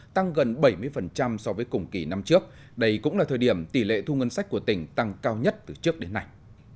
tăng gần bảy mươi so với cùng kỳ năm trước đây cũng là thời điểm tỷ lệ thu ngân sách của tỉnh tăng cao nhất từ trước đến nay